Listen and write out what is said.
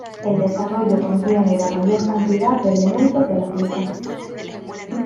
El desarrollo contiene la mayor cantidad de elementos de la pieza.